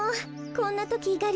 こんなときがり